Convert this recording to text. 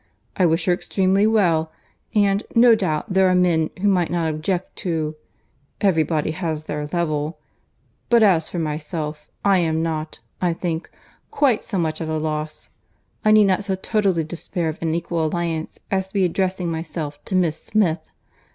I wish her extremely well: and, no doubt, there are men who might not object to—Every body has their level: but as for myself, I am not, I think, quite so much at a loss. I need not so totally despair of an equal alliance, as to be addressing myself to Miss Smith!